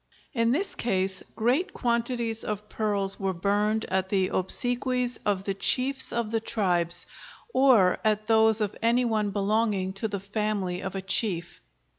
In this case great quantities of pearls were burned at the obsequies of the chiefs of the tribes, or at those of any one belonging to the family of a chief.